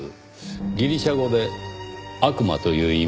ギリシャ語で「悪魔」という意味ですね。